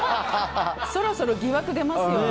そろそろ疑惑出ますよね。